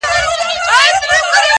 هر څوک خپله کيسه لري تل,